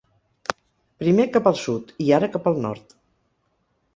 Primer cap al sud i ara cap al nord.